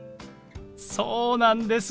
そうなんです。